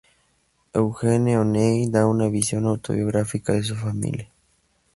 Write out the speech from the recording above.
Eugene O'Neill da una visión autobiográfica de su familia.